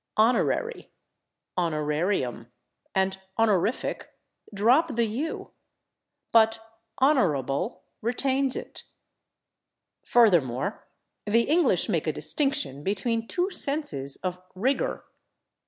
/Honorary/, /honorarium/ and /honorific/ drop the /u/, but /honourable/ retains it. Furthermore, the English make a distinction between two senses of /rigor